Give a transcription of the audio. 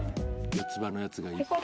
四つ葉のやつがいっぱい。